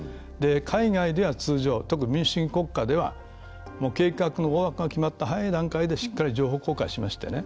海外では通常特に民主主義国家では計画の大幅が決まった早い段階で情報公開をするんですね。